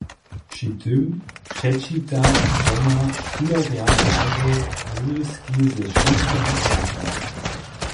Při tym předčita wona šulerjam rady wurězki ze šulskeho časa.